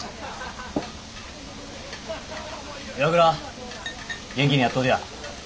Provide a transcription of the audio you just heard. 岩倉元気にやっとうとや。